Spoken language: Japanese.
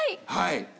はい。